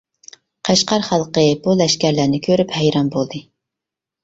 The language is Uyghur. قەشقەر خەلقى بۇ لەشكەرلەرنى كۆرۈپ ھەيران بولدى.